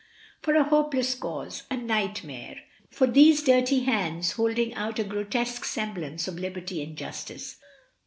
For a hopeless cause, a nightmare, for these dirty hands holding out a grotesque semblance of liberty and justice.